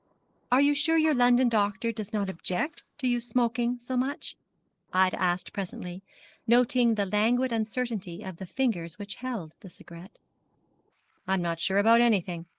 'Are you sure your London doctor does not object to your smoking so much?' Ida asked presently, noting the languid uncertainty of the fingers which held the cigarette. 'I am not sure about anything.